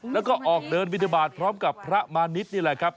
แล้วก็ออกเดินบินทบาทพร้อมกับพระมาณิชย์นี่แหละครับ